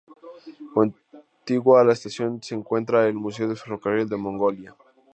Contigua a la estación se encuentra el Museo del Ferrocarril de Mongolia.